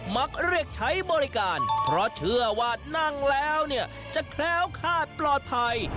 มักเรียกใช้บริการเพราะเชื่อว่านั่งแล้วเนี่ยจะแคล้วคาดปลอดภัย